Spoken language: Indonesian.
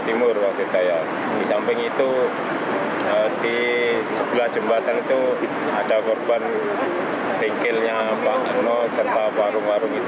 di samping itu di sebelah jembatan itu ada korban bengkelnya pak ngo serta warung warung itu